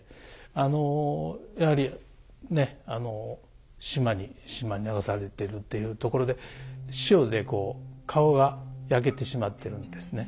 あのやはりね島に流されているっていうところで塩でこう顔が焼けてしまっているんですね。